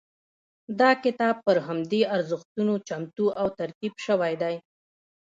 دا کتاب پر همدې ارزښتونو چمتو او ترتیب شوی دی.